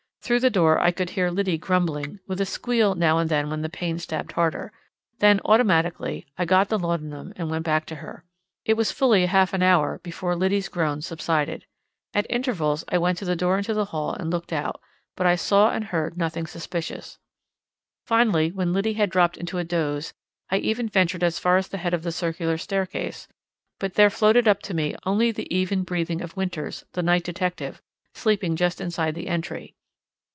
Through the door I could hear Liddy grumbling, with a squeal now and then when the pain stabbed harder. Then, automatically, I got the laudanum and went back to her. It was fully a half hour before Liddy's groans subsided. At intervals I went to the door into the hall and looked out, but I saw and heard nothing suspicious. Finally, when Liddy had dropped into a doze, I even ventured as far as the head of the circular staircase, but there floated up to me only the even breathing of Winters, the night detective, sleeping just inside the entry.